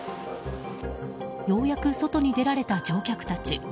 ようやく外に出られた乗客たち。